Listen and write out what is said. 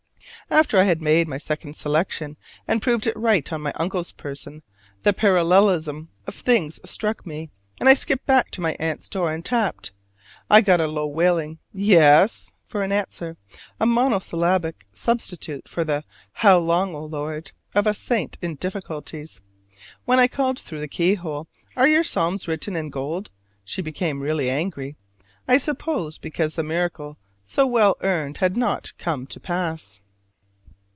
After I had made my second selection, and proved it right on my uncle's person, the parallelism of things struck me, and I skipped back to my aunt's door and tapped. I got a low wailing "Yes?" for answer a monosyllabic substitute for the "How long, O Lord?" of a saint in difficulties. When I called through the keyhole, "Are your psalms written in gold?" she became really angry: I suppose because the miracle so well earned had not come to pass.